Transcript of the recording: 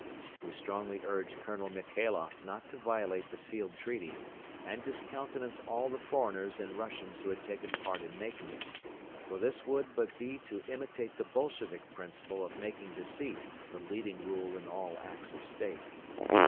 We strongly urged Colonel Michailoff not to violate the sealed treaty and discountenance all the foreigners and Russians who had taken part in making it, for this would but be to imitate the Bolshevik principle of making deceit the leading rule in all acts of state.